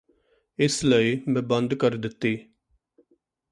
ਇਸ ਲਈ ਮੈਂ ਬੰਦ ਕਰ ਦਿੱਤੀ